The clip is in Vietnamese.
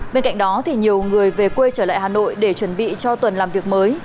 bên cạnh đó thì nhiều người về quê trở lại hà nội để chuẩn bị cho tuần làm việc mới